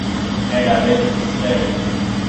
And I meant it to sting.